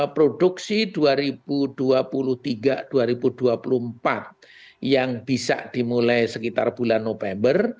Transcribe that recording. produksi dua ribu dua puluh tiga dua ribu dua puluh empat yang bisa dimulai sekitar bulan november